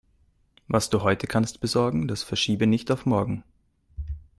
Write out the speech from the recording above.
Was du heute kannst besorgen, das verschiebe nicht auf morgen.